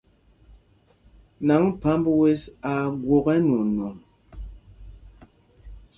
Naŋg phamb wes aa gwok ɛnwɔɔnɔŋ.